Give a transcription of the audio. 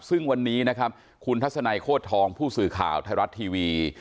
ซึ่งวันนี้นะครับคุณทัศนัยโคตรทองผู้สื่อข่าวไทยรัฐทีวี